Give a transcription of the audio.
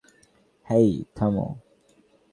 হেই, থাম!